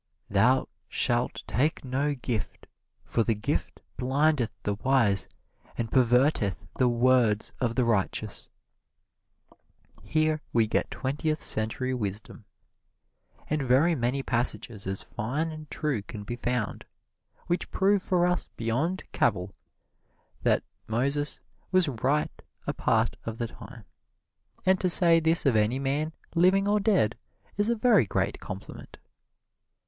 "Thou shalt take no gift: for the gift blindeth the wise and perverteth the words of the righteous." Here we get Twentieth Century Wisdom. And very many passages as fine and true can be found, which prove for us beyond cavil that Moses was right a part of the time, and to say this of any man, living or dead, is a very great compliment.